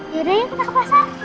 yaudah yuk kita ke pasar